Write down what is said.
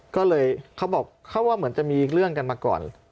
ก็เลยเขาบอกเขาว่าเหมือนจะมีเรื่องกันมาก่อน